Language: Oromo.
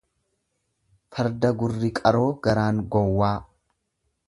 Farda gurri qaroo garaan gowwaa.